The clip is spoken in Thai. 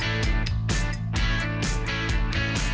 เสมอสอง